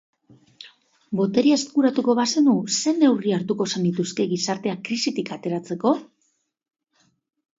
Boterea eskuratuko bazenu, ze neurri hartuko zenituzke gizartea krisitik ateratzeko?